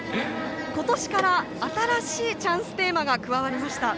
今年から新しいチャンステーマが加わりました。